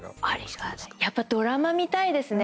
やっぱりドラマ見たいですね。